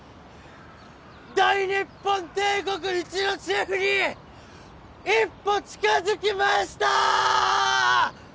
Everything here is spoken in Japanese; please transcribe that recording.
大日本帝国一のシェフに一歩近づきました！